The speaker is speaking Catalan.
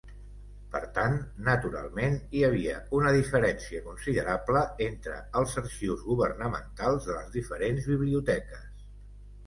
Per tant, naturalment, hi havia una diferència considerable entre els arxius governamentals de les diferents biblioteques.